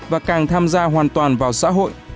và càng tham gia hoàn toàn vào xã hội